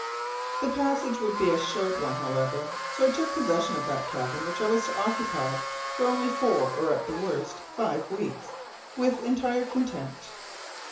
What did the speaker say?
The passage would be a short one, however, so I took possession of that cabin, which I was to occupy for only four, or at the worst five weeks, with entire content.